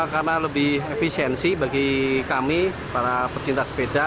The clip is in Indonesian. karena lebih efisiensi bagi kami para peserta sepeda